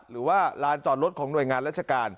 หรือว่าลานจอดรถของหน่วยงานราชการ